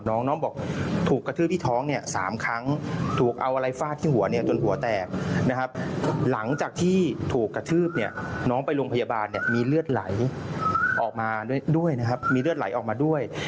ออกมาด้วยนะครับมีเลือดไหลออกมาด้วย